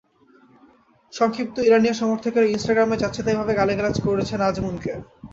সংক্ষিপ্ত ইরানিয়ান সমর্থকেরা ইনস্টাগ্রামে যাচ্ছেতাইভাবে গালিগালাজ করেছেন আজমুনকে।